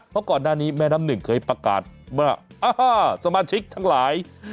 เพราะก่อนหน้านี้แม่น้ำหนึ่งเคยประกาศว่าสมาชิกทั้งหลาย